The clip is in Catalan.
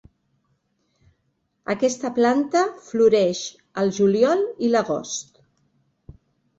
Aquesta planta floreix al juliol i l"agost.